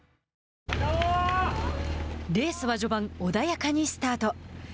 レースは、序盤穏やかにスタート。